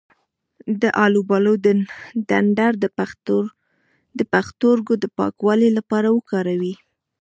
د الوبالو ډنډر د پښتورګو د پاکوالي لپاره وکاروئ